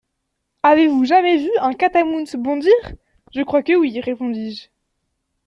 Avez-vous jamais vu un catamount bondir ? Je crois que oui, répondis-je.